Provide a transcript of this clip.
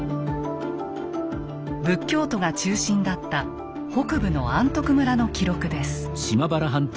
仏教徒が中心だった北部の安徳村の記録です。